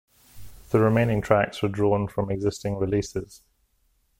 The remaining tracks were drawn from existing releases.